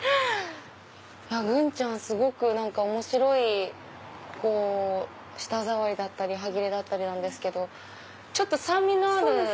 グンちゃんはすごく面白い舌触りだったり歯切れだったりなんですけどちょっと酸味のある。